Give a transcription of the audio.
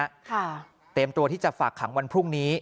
และไม่ได้ตัวที่จะฝากขังวันพรุ่งนี้